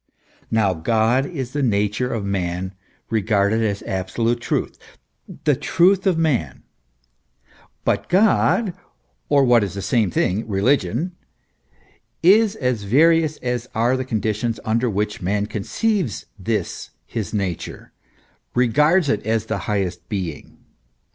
Now God is the nature of man regarded as absolute truth, the truth of man; but God, or, what is the same thing, religion, is as various as are the con ditions under which man conceives this his nature, regards it as the highest being.